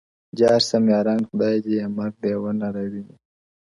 جار سم یاران خدای دي یې مرگ د یوه نه راویني ـ